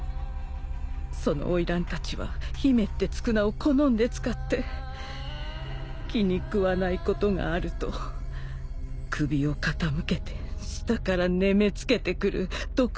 その花魁たちは「姫」って付く名を好んで使って気にくわないことがあると首を傾けて下からねめつけてくる独特の癖があったって。